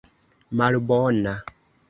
malbona